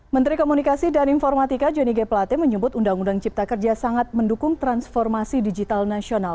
menteri komunikasi dan informatika johnny g plate menyebut undang undang cipta kerja sangat mendukung transformasi digital nasional